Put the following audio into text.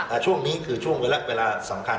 ช่วงนี้คือช่วงเวลาสำคัญ